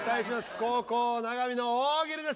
後攻永見の大喜利です。